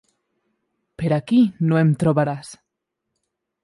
Per aquí no em trobaràs.